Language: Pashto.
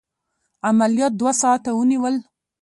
عملیات دوه ساعته ونیول.